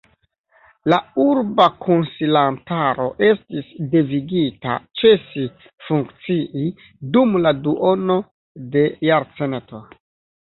La Urba Konsilantaro estis devigita ĉesi funkcii dum la duono de jarcento.